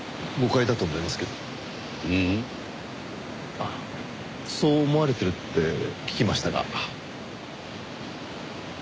あっそう思われてるって聞きましたが。